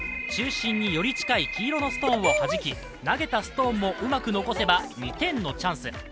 中心により近い黄色のストーンを弾き投げたストーンもうまく残せば、２点のチャンス。